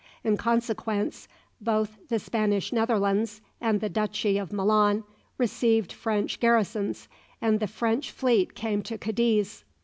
In consequence, both the Spanish Netherlands and the Duchy of Milan received French garrisons, and the French fleet came to Cadiz.